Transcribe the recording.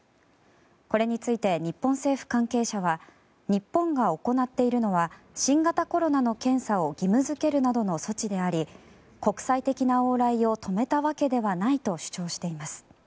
これについて日本政府関係者は日本が行っているのは新型コロナの検査を義務付けるなどの措置であり国際的な往来を止めたわけではないと主張しています。